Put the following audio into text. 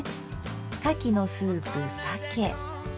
「かきのスープ鮭」。